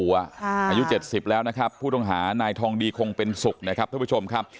อายุ๗๐แล้วนะครับผู้ต้องหานายทองดีคงเป็นสุขนะครับท่านผู้ชมครับ